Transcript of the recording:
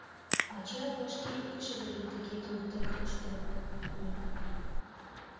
Ача-ава шке икшывыжым тыге туныктен куштен, витне.